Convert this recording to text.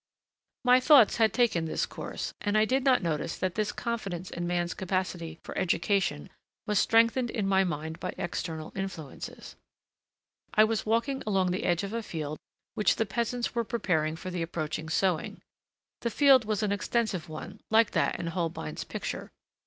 My thoughts had taken this course, and I did not notice that this confidence in man's capacity for education was strengthened in my mind by external influences. I was walking along the edge of a field which the peasants were preparing for the approaching sowing. The field was an extensive one, like that in Holbein's picture.